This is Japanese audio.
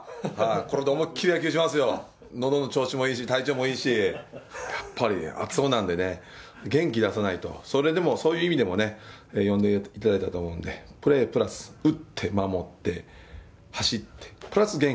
これで思いっきり野球しますよのどの調子もいいし体調もいいしやっぱり熱男なんでね元気出さないとそれでもそういう意味でもね呼んでいただいたと思うんでプレープラス・さあいこうー！